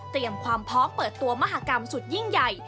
ความพร้อมเปิดตัวมหากรรมสุดยิ่งใหญ่